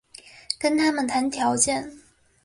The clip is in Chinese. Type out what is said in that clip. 跟他们谈条件